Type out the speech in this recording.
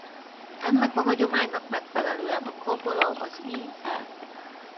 Ennek a hagyománynak megfelelően a kabbala az i.e.